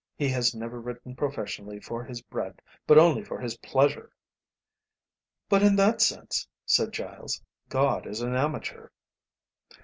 He has never written professionally for his bread but only for his pleasure." "But in that sense," said Giles, "God is an amateur."